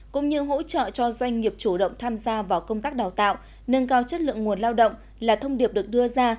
cũng như hỗ trợ cho doanh nghiệp chủ động tham gia vào công tác đào tạo nâng cao chất lượng nguồn lao động là thông điệp được đưa ra